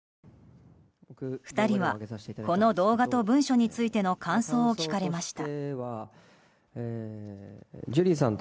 ２人はこの動画と文書についての感想を聞かれました。